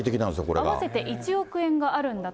合わせて１億円があるんだと。